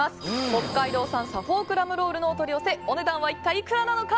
北海道産サフォークラムロールのお取り寄せお値段は一体いくらなのか。